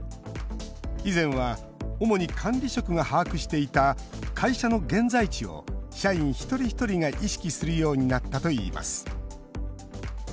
以前は主に管理職が把握していた会社の現在地を、社員一人一人が意識するようになったといいます。